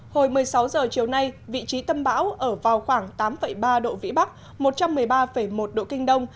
hồi một mươi sáu h chiều nay vị trí tâm bão ở vào khoảng tám ba độ vĩ bắc một trăm một mươi ba một độ kinh đông